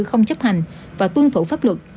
không chấp hành và tuân thủ pháp luật